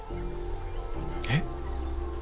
えっ？